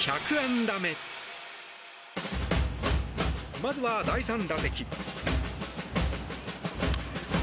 まずは第３打席。